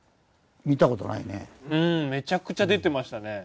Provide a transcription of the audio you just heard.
うんめちゃくちゃ出てましたね。